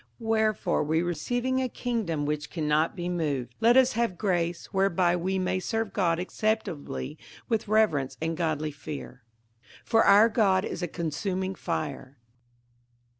58:012:028 Wherefore we receiving a kingdom which cannot be moved, let us have grace, whereby we may serve God acceptably with reverence and godly fear: 58:012:029 For our God is a consuming fire.